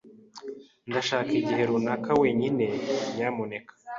Ndashaka igihe runaka wenyine, nyamuneka.